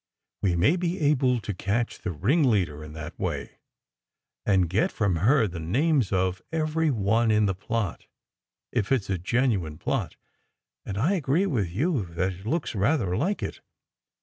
We may be able to catch the ringleader in that way, and get from her the names of every one in the plot if it s a genuine plot; and I agree with you that it looks rather like it.